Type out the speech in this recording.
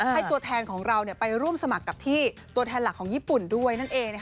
ตัวแทนของเราไปร่วมสมัครกับที่ตัวแทนหลักของญี่ปุ่นด้วยนั่นเอง